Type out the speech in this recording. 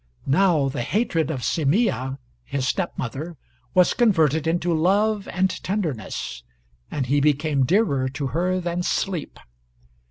Now the hatred of Semeeah (his stepmother) was converted into love and tenderness, and he became dearer to her than sleep.